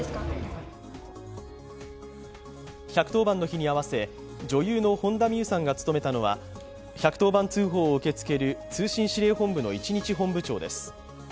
１１０番の日に合わせ女優の本田望結さんが務めたのは１１０番通報を受け付ける通信指令本部の一日本部長です。